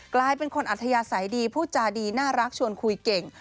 กลายเป็นคนอัธยาศัยดีพูดจาดีน่ารักชวนคุยเก่ง